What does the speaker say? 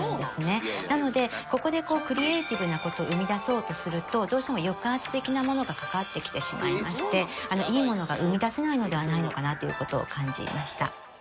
なのでここでクリエイティブな事を生み出そうとするとどうしても抑圧的なものがかかってきてしまいましていいものが生み出せないのではないのかなという事を感じました。